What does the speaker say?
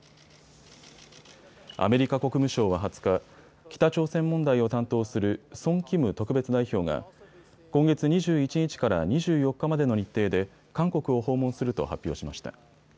アメリカ国務省は２０日、北朝鮮問題を担当するソン・キム特別代表が今月２１日から２４日までの日程で韓国を訪問すると発表しました。